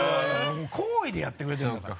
好意でやってくれてるんだから。